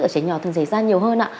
ở trẻ nhỏ thường xảy ra nhiều hơn ạ